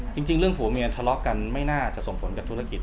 จริงเรื่องผัวเมียทะเลาะกันไม่น่าจะส่งผลกับธุรกิจ